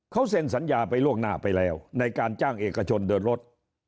เขาเซ็นสัญญาไปล่วงหน้าไปแล้วในการจ้างเอกชนเดินรถ